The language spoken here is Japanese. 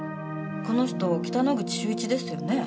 この人北之口秀一ですよね？